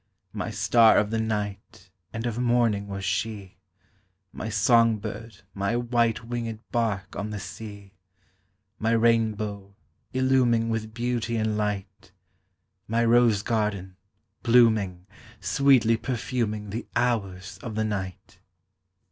My star of the night And of morning was she, My song bird, my white Wingèd bark on the sea; My rainbow, illuming With beauty and light; My rose garden, blooming, Sweetly perfuming The hours of the night.